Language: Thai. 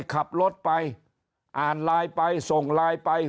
ขับรถไปอ่านไลน์ไปส่งไลน์ไป